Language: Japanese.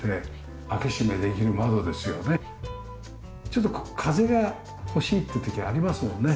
ちょっと風が欲しいっていう時ありますもんね。